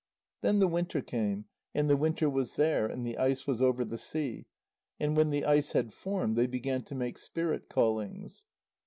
Then the winter came, and the winter was there, and the ice was over the sea, and when the ice had formed, they began to make spirit callings.